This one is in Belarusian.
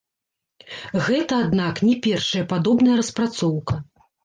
Гэта, аднак, не першая падобная распрацоўка.